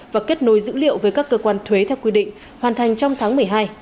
và kết nối dữ liệu với các cơ quan thuế theo quy định hoàn thành trong tháng một mươi hai hai nghìn hai mươi ba